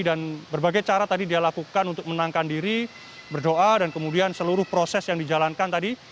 dan berbagai cara tadi dia lakukan untuk menangkan diri berdoa dan kemudian seluruh proses yang dijalankan tadi